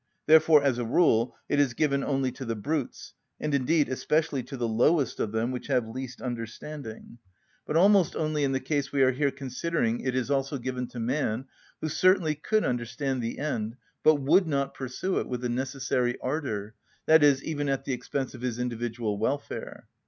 Therefore, as a rule, it is given only to the brutes, and indeed especially to the lowest of them which have least understanding; but almost only in the case we are here considering it is also given to man, who certainly could understand the end, but would not pursue it with the necessary ardour, that is, even at the expense of his individual welfare.